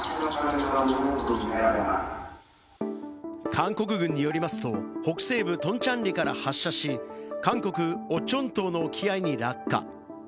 韓国軍によりますと北西部トンチャンリから発射し、韓国・オチョン島の沖合に落下。